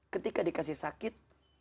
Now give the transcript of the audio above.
ketika dikasih sakit